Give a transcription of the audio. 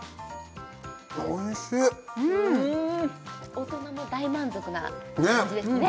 大人も大満足な感じですね